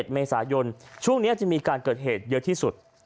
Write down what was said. ๑เมษายนช่วงนี้จะมีการเกิดเหตุเยอะที่สุด